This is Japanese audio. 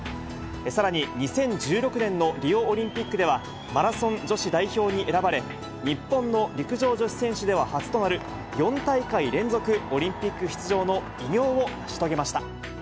さらに２０１６年のリオオリンピックでは、マラソン女子代表に選ばれ、日本の陸上女子選手では初となる、４大会連続オリンピック出場の偉業を成し遂げました。